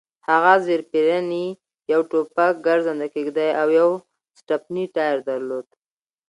هغه زېرپېرني، یو ټوپک، ګرځنده کېږدۍ او یو سټپني ټایر درلود.